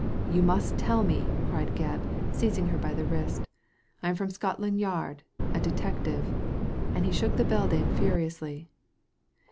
"You must tell me!" cried Gebb, seizing her by the wrist " I am from Scotland Yard — a detective." And he shook the beldame furiously.